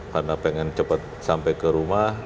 karena pengen cepat sampai ke rumah